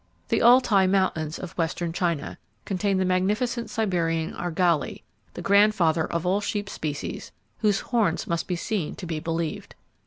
The Altai Mountains, of western China, contain the magnificent Siberian argali, the grandfather of all sheep species, whose horns must be seen to be believed.